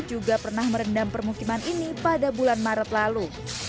juga pernah merendam permukiman ini pada bulan maret lalu